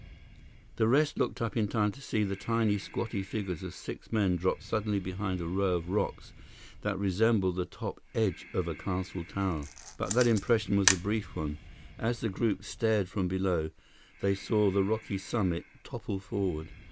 The rest looked up in time to see the tiny, squatty figures of six men drop suddenly behind a row of rocks that resembled the top edge of a castle tower. But that impression was a brief one. As the group stared from below, they saw the rocky summit topple forward.